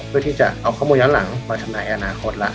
เพื่อที่จะเอาข้อมูลย้อนหลังไปทำนายอนาคตแล้ว